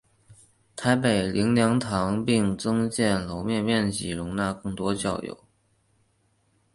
台北灵粮堂并增建楼面面积以容纳更多教友。